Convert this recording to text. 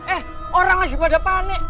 eh orang lagi pada panik